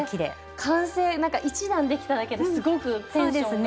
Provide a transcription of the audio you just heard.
完成なんか１段できただけですごくテンションが！